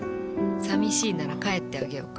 寂しいなら帰ってあげようか？